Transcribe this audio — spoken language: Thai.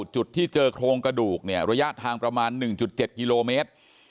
จุดที่เจอโครงกระดูกเนี่ยระยะทางประมาณ๑๗กิโลเมตร